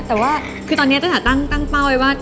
แต่ว่าตอนนี้จะตั้งเป้าไว้ว่า